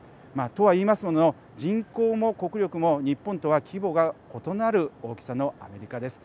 とはいいますものの人口も国力も日本とは規模が異なる大きさのアメリカです。